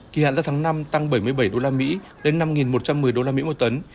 kỳ hạn giao tháng năm tăng bảy mươi bảy usd lên năm một trăm một mươi usd một tấn